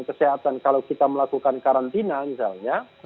kesehatan kalau kita melakukan karantina misalnya